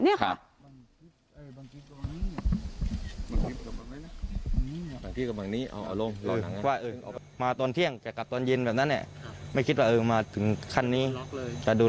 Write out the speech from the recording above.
ที่เขาร้องบอกกับสื่อนักข่าวเนี่ยว่าช่วยด้วย